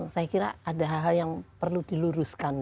saya kira ada hal hal yang perlu diluruskan